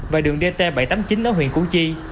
và đường dt bảy trăm tám mươi chín ở huyện củ chi